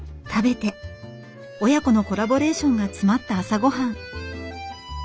親子のコラボレーションが詰まった朝ごはん。